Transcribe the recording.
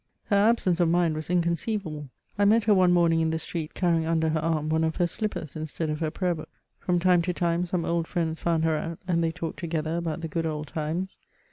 Her absence of mind was inconceivable ; I met her one morning in the street carrying under lier arm one of her slippers instead of her prayer book. From time to time some old friends found her out, and they talked to* gether about the good old times.